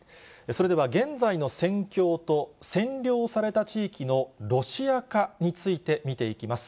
それでは現在の戦況と、占領された地域のロシア化について見ていきます。